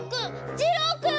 じろーくん！